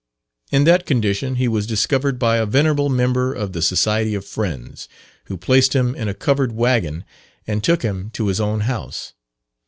In that condition he was discovered by a venerable member of the Society of Friends, who placed him in a covered waggon and took him to his own house.